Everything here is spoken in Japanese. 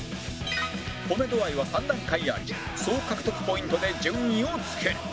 ホメ度合いは３段階あり総獲得ポイントで順位を付ける